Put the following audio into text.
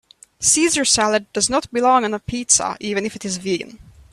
Caesar salad does not belong on a pizza even it it is vegan.